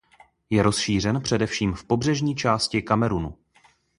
Je rozšířen především v pobřežní části Kamerunu.